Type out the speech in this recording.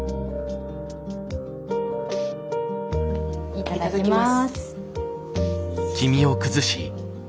いただきます。